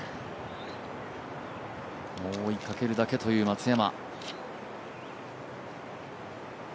もう追いかけるだけという松山。